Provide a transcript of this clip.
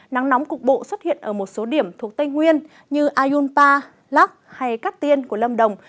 nắng nóng cục bộ xuất hiện ở một số điểm thuộc tây nguyên như ayunpa lắc hay cát tiên của lâm đồng